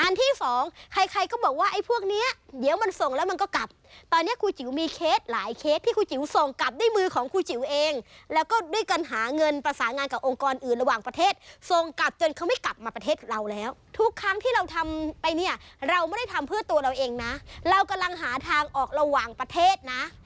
มีความสุขมีความสุขมีความสุขมีความสุขมีความสุขมีความสุขมีความสุขมีความสุขมีความสุขมีความสุขมีความสุขมีความสุขมีความสุขมีความสุขมีความสุขมีความสุขมีความสุขมีความสุขมีความสุขมีความสุขมีความสุขมีความสุขมีความสุขมีความสุขมีความ